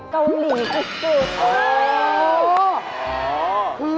เกาหลีที่สุดอ๋อ